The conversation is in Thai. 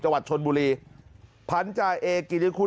จังหวัดชนบุรีพันธาเอกิริคุณ